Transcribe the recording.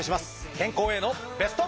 健康へのベスト。